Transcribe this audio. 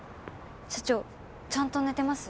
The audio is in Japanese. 社長ちゃんと寝てます？